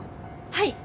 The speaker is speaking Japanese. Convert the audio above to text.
はい。